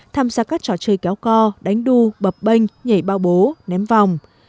tham gia các trò chơi kéo co đánh đu bập bênh nhảy bao bố ném vòng